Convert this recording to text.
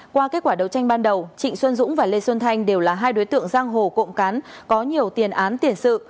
qua kết quả đấu tranh ban đầu trịnh xuân dũng và lê xuân thanh đều là hai đối tượng giang hồ cộng cán có nhiều tiền án tiền sự